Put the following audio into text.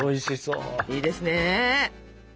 いいですね。